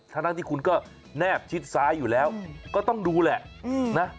ทั้งที่คุณก็แนบชิดซ้ายอยู่แล้วก็ต้องดูแหละนะ